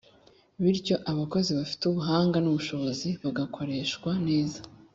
bityo abakozi bafite ubuhanga n'ubushobozi bagakoreshwa neza